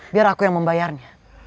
biar aku yang membayarnya